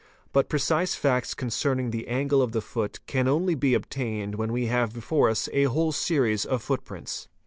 But precise facts concerning the angle of the foot can only be obtained when we haye— ... fe! before us a whole series of footprints.